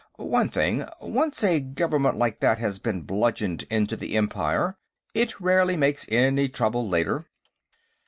"One thing; once a government like that has been bludgeoned into the Empire, it rarely makes any trouble later."